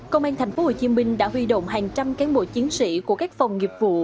công an tp hcm đã huy động hàng trăm cán bộ chiến sĩ của các phòng nghiệp vụ